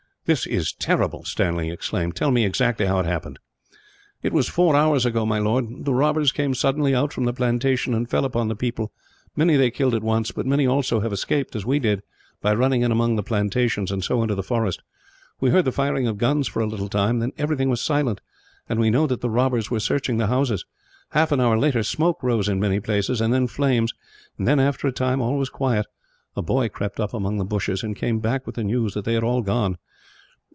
"This is terrible!" Stanley exclaimed. "Tell me exactly how it happened." "It was four hours ago, my lord. The robbers came suddenly out from the plantation, and fell upon the people. Many they killed at once; but many also have escaped as we did, by running in among the plantations, and so into the forest. We heard the firing of guns, for a little time; then everything was silent, and we knew that the robbers were searching the houses. Half an hour later, smoke rose in many places, and then flames; then after a time, all was quiet. A boy crept up among the bushes, and came back with the news that they had all gone.